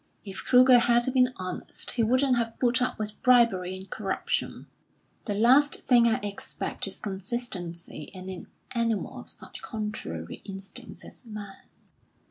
"If Kruger had been honest, he wouldn't have put up with bribery and corruption." "The last thing I expect is consistency in an animal of such contrary instincts as man."